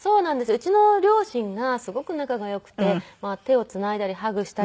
うちの両親がすごく仲がよくて手をつないだりハグしたり。